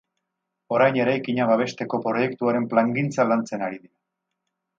Orain eraikina babesteko proiektuaren plangintza lantzen ari dira.